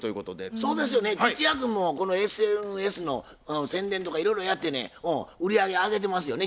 そうですよね吉弥君もこのＳＮＳの宣伝とかいろいろやってね売り上げ上げてますよね。